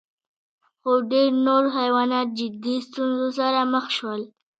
خو ډېر نور حیوانات جدي ستونزو سره مخ شول.